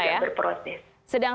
dan sedang berproses